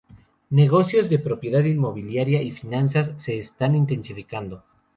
Negocios de propiedad inmobiliaria y finanzas, se están intensificando.